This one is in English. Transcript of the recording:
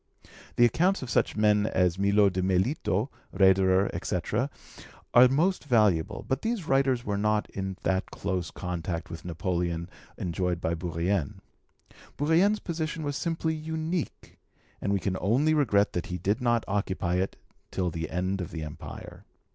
The accounts of such men as Miot de Melito, Raederer, etc., are most valuable, but these writers were not in that close contact with Napoleon enjoyed by Bourrienne. Bourrienne's position was simply unique, and we can only regret that he did not occupy it till the end of the Empire.